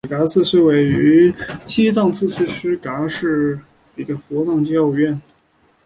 曲嘎寺是位于西藏自治区日喀则市定日县绒辖乡的一座藏传佛教寺院。